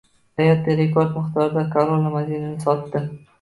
Toyota rekord miqdorda Corolla modelini sotdi